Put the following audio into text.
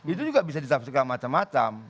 itu juga bisa ditafsirkan macam macam